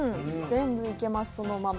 全部行けます、そのまま。